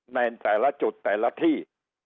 ในแต่ละจุดแต่ละที่